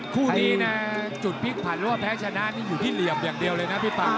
คู่นี้นะจุดพลิกผันหรือว่าแพ้ชนะนี่อยู่ที่เหลี่ยมอย่างเดียวเลยนะพี่ป่า